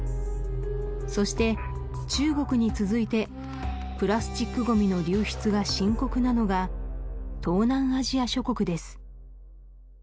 そして中国に続いてプラスチックごみの流出が深刻なのが東南アジア諸国です